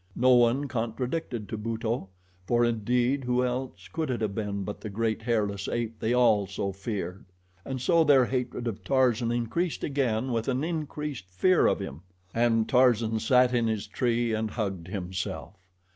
No one contradicted Tubuto, for, indeed, who else could it have been but the great, hairless ape they all so feared? And so their hatred of Tarzan increased again with an increased fear of him. And Tarzan sat in his tree and hugged himself.